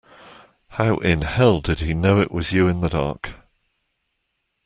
How in hell did he know it was you in the dark.